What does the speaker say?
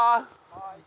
はい。